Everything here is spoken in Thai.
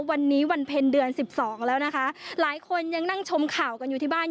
วันนี้วันเพ็ญเดือนสิบสองแล้วนะคะหลายคนยังนั่งชมข่าวกันอยู่ที่บ้าน